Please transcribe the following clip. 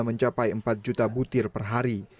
mencapai empat juta butir per hari